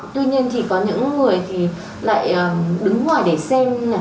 tuy nhiên thì có những người lại đứng ngoài để xem